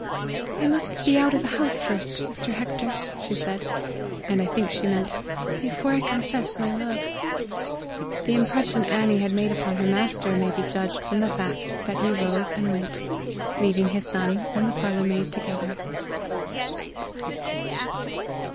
"I must be out of the house first, Mr. Hector," she said and I think she meant "before I confess my love." The impression Annie had made upon her master may be judged from the fact that he rose and went, leaving his son and the parlor maid together.